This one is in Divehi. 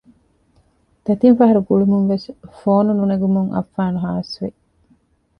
ދެތިން ފަހަރު ގުޅުމުންވެސް ފޯނު ނުނެގުމުން އައްފާން ހާސް ވި